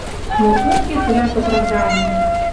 Но уке тӹлӓт оправдани.